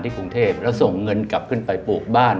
กรุงเทพแล้วส่งเงินกลับขึ้นไปปลูกบ้าน